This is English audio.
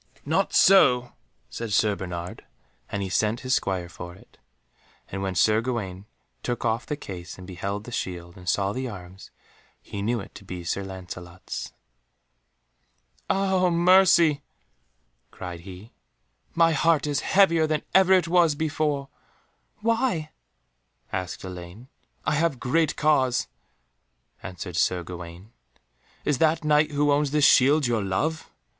"Not so," said Sir Bernard, and sent his Squire for it. And when Sir Gawaine took off the case and beheld the shield, and saw the arms, he knew it to be Sir Lancelot's. "Ah mercy," cried he, "my heart is heavier than ever it was before!" "Why?" asked Elaine. "I have great cause," answered Sir Gawaine. "Is that Knight who owns this shield your love?"